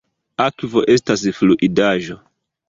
Akvo estas fluidaĵo.